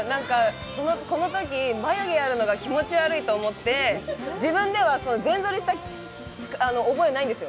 このとき眉毛あるのが気持ち悪いと思って、自分では全ぞりした覚えないんですよ。